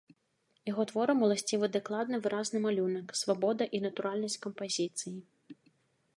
Яго творам уласцівы дакладны выразны малюнак, свабода і натуральнасць кампазіцыі.